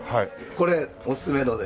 これおすすめので。